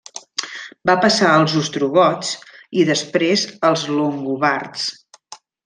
Va passar als ostrogots i després als longobards.